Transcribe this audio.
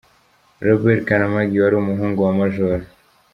Robert Karamagi wari umuhungu wa Maj.